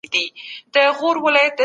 یووالی تر بې اتفاقۍ ډیر ګټور دی.